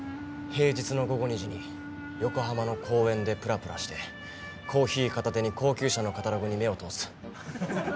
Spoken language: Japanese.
平日の午後２時に横浜の公園でぷらぷらしてコーヒー片手に高級車のカタログに目を通す。